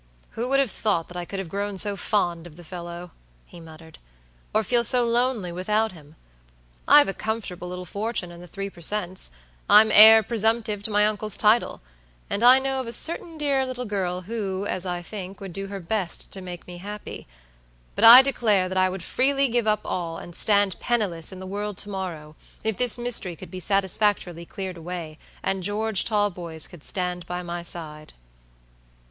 "Who would have thought that I could have grown so fond of the fellow," he muttered, "or feel so lonely without him? I've a comfortable little fortune in the three per cents.; I'm heir presumptive to my uncle's title; and I know of a certain dear little girl who, as I think, would do her best to make me happy; but I declare that I would freely give up all, and stand penniless in the world to morrow, if this mystery could be satisfactorily cleared away, and George Talboys could stand by my side."